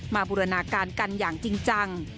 บูรณาการกันอย่างจริงจัง